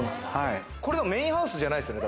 メインハウスじゃないですよ